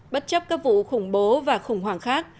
bất chấp các vụ khủng bố và khủng hoảng khác